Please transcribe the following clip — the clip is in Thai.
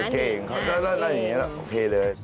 เขาเก่งแล้วอย่างนี้โอเคเลย